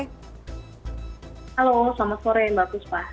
halo selamat sore mbak puspa